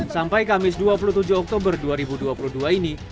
sampai kamis dua puluh tujuh oktober dua ribu dua puluh dua ini